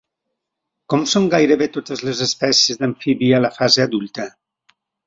Com són gairebé totes les espècies d'amfibi a la fase adulta?